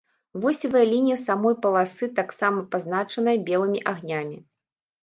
Восевая лінія самой паласы таксама пазначаная белымі агнямі.